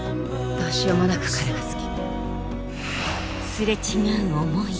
どうしようもなく彼が好き。